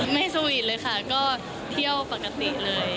ไม่สวีทเลยค่ะก็เที่ยวปกติเลย